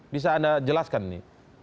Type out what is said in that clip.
bisa anda jelaskan ini